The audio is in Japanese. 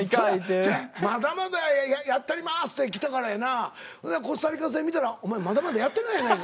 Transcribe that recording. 違う「まだまだやったります」って来たからやなコスタリカ戦見たら「お前まだまだやってないやないか」